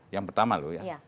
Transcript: yang pertama loh ya